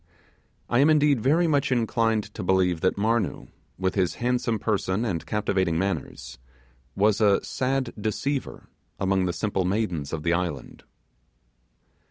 I am, indeed, very much inclined to believe that Marnoo, with his handsome person and captivating manners, was a sad deceiver among the simple maidens of the island.